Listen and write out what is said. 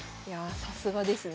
さすがですね。